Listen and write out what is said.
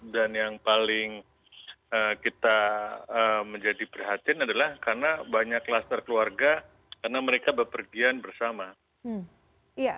dan yang paling kita menjadi perhatian adalah karena banyak klaster keluarga karena mereka berpergian bersama